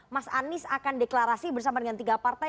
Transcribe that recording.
mas anies akan deklarasi bersama dengan tiga partai